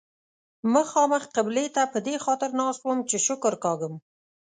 مخامخ قبلې ته په دې خاطر ناست وم چې شکر کاږم.